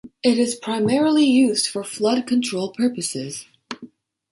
It is primarily used for flood control purposes.